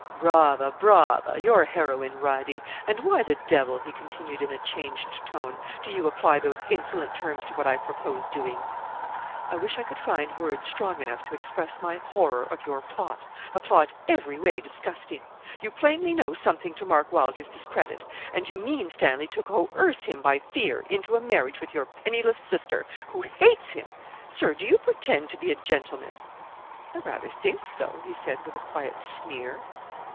'Brava, brava! you're a heroine, Radie; and why the devil,' he continued, in a changed tone, 'do you apply those insolent terms to what I purpose doing?' 'I wish I could find words strong enough to express my horror of your plot a plot every way disgusting. You plainly know something to Mark Wylder's discredit; and you mean, Stanley, to coerce him by fear into a marriage with your penniless sister, who hates him. Sir, do you pretend to be a gentleman?' 'I rather think so,' he said, with a quiet sneer.